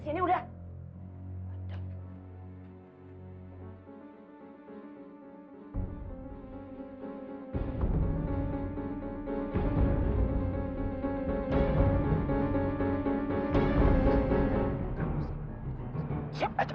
seserah ibu aja deh